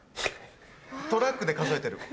トラックで数えてる。